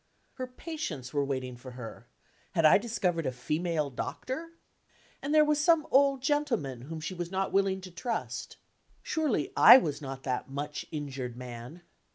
Her patients were waiting for her had I discovered a female doctor? And there was some old gentleman whom she was not willing to trust surely I was not that much injured man?